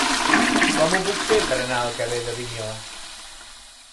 Com ho puc fer per anar al carrer d'Avinyó?